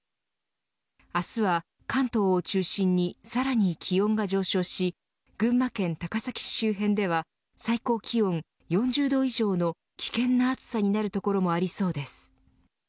明日は関東を中心にさらに気温が上昇し群馬県高崎市周辺では最高気温４０度以上の危険な暑さになる所もありそうです。